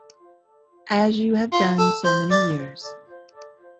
As you have done so many years.